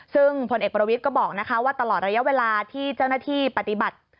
ซึ่งพลเอกประวิทย์ก็บอกว่าตลอดระยะเวลาที่เจ้าหน้าที่ปฏิบัติ